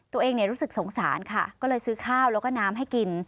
ตัวเองรู้สึกสงสารค่ะก็เลยซื้อข้าวแล้วก็น้ำให้กิน